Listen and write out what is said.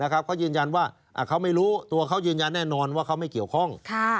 เขายืนยันว่าเขาไม่รู้ตัวเขายืนยันแน่นอนว่าเขาไม่เกี่ยวข้อง